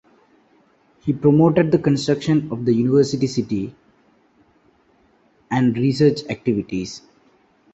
He promoted the construction of the University City and research activities.